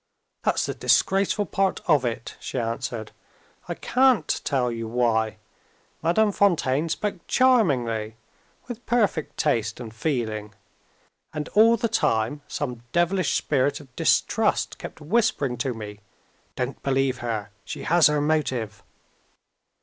"That's the disgraceful part of it," she answered. "I can't tell you why. Madame Fontaine spoke charmingly with perfect taste and feeling. And all the time some devilish spirit of distrust kept whispering to me, "Don't believe her; she has her motive!"